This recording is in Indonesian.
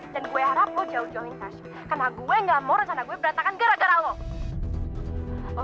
gue harap lo jauh jauhin khas karena gue gak mau rencana gue berantakan gara gara lo